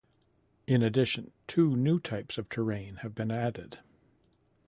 In addition, two new types of terrain have been added.